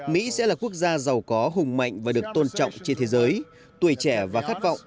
mỹ sẽ là quốc gia giàu có hùng mạnh và được tôn trọng trên thế giới tuổi trẻ và khát vọng